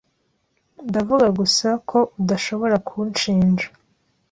Ndavuga gusa ko udashobora kunshinja.